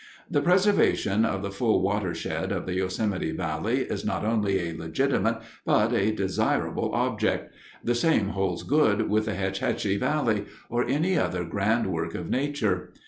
The preservation of the full watershed of the Yosemite Valley is not only a legitimate, but a desirable object; the same holds good with the Hetch Hetchy Valley, or any other grand work of nature.